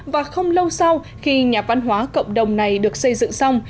và không lâu sau khi nhà văn hóa cộng đồng này được xây dựng xong